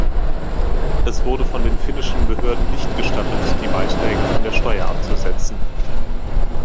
Es wurde von den finnischen Behörden nicht gestattet, die Beiträge von der Steuer abzusetzen.